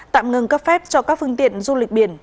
tạm ngừng cấp phép cho các phương tiện du lịch biển